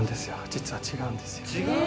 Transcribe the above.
実は違うんですよ。